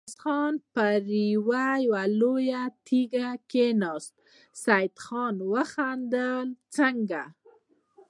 ميرويس خان پر يوه لويه تيږه کېناست، سيدال خان وخندل: څنګه!